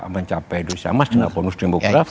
mencapai dosa emas dengan bonus demografi